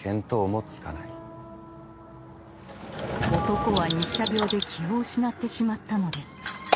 男は日射病で気を失ってしまったのです。